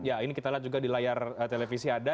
ya ini kita lihat juga di layar televisi ada